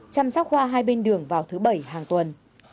chăm sóc hoa hai bên đường vào thứ bảy hàng tuần